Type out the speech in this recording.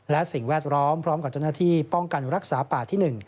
และสิ่งแวดล้อมพร้อมกับเจ้าหน้าที่ป้องกันรักษาป่าที่๑